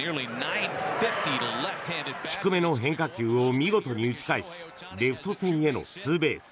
低めの変化球を見事に打ち返しレフト線へのツーベース。